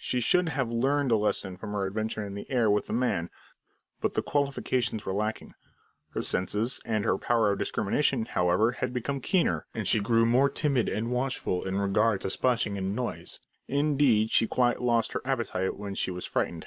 She should have learned a lesson from her adventure in the air with the man, but the qualifications were lacking. Her senses, and her power of discrimination, however, had become keener, and she grew more timid and watchful in regard to splashing and noise; indeed, she quite lost her appetite when she was frightened.